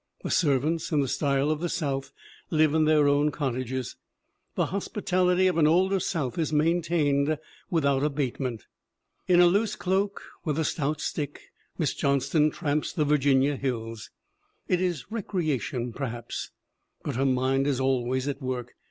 The servants, in the style of the South, live in their own cottages. The hospitality of an older South is maintained without abatement. In a loose cloak, with a stout stick, Miss Johnston tramps the Virginia hills. It is recreation, perhaps, but her mind is always at work.